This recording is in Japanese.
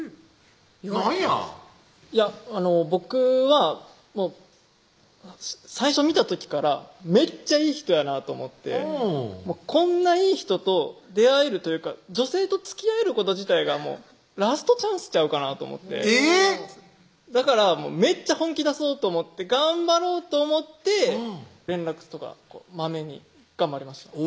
なんやいや僕は最初見た時からめっちゃいい人やなと思ってこんないい人と出会えるというか女性とつきあえること自体がラストチャンスちゃうかなと思ってえぇっだからめっちゃ本気出そうと思って頑張ろうと思って連絡とかまめに頑張りました